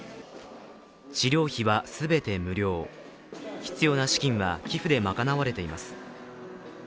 治療費は全て無料、必要な資金は寄付で賄われています。